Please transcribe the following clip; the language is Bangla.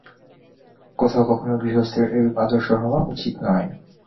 কোথাও কখনও গৃহস্থের এরূপ আদর্শ হওয়া উচিত নয়।